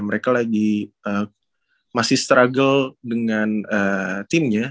mereka lagi masih struggle dengan timnya